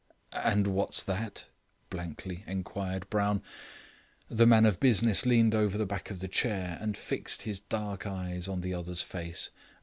"And what's that?" blankly inquired Brown. The man of business leaned over the back of the chair, and fixed his dark eyes on the other's face.